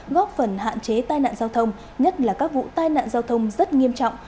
góp phần hạn chế tai nạn giao thông nhất là các vụ tai nạn giao thông rất nghiêm trọng